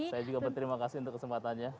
saya juga berterima kasih untuk kesempatannya